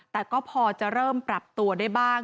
แต่ก็พอจะเริ่มปรับตัวได้บ้าง